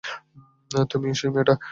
তুমিই সেই মেয়েটা!